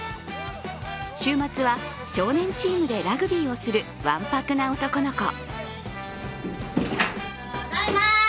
週末は少年チームでラグビーをするわんぱくな男の子。